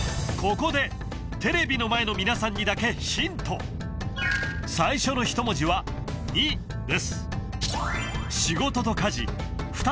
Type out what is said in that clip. ここでテレビの前の皆さんにだけヒント最初の１文字は「に」です